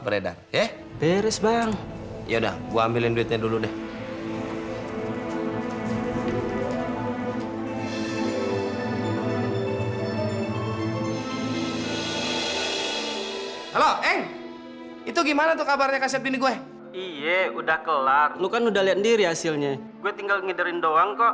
berapa lama lagi gua harus tunggu eng